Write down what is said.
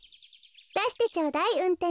だしてちょうだいうんてん